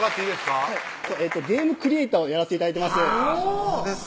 はいゲームクリエーターをやらせて頂いてます